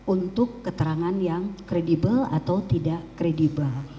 untuk keterangan yang kredibel atau tidak kredibel